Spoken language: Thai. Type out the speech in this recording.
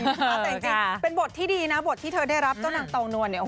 แต่จริงเป็นบทที่ดีนะบทที่เธอได้รับเจ้านางเตานวลเนี่ย